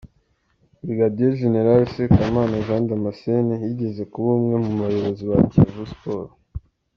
Brig Gen Sekamana Jean Damascene yigeze kuba umwe mu bayobozi ba Kiyovu Sports.